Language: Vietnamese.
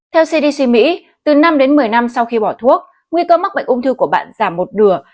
theo cdc mỹ từ năm đến một mươi năm sau khi bỏ thuốc nguy cơ mắc bệnh ung thư của bạn giảm một nửa